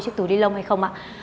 chiếc túi đi lông hay không ạ